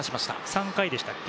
３回でしたっけ。